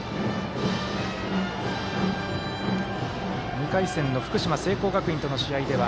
２回戦の福島、聖光学院との試合では